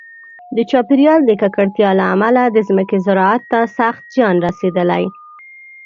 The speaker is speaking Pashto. د چاپیریال د ککړتیا له امله د ځمکې زراعت ته سخت زیان رسېدلی.